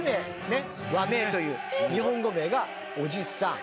和名という日本語名がオジサン。